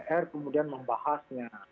dpr kemudian membahasnya